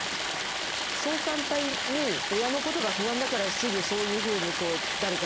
そう簡単に親のことが不安だからすぐそういうふうに誰かと